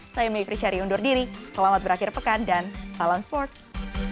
saya mie frisari undur diri selamat berakhir pekan dan salam sports